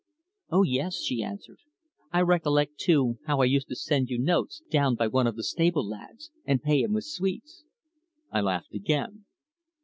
"Oh, yes," she answered. "I recollect, too, how I used to send you notes down by one of the stable lads, and pay him with sweets." I laughed again.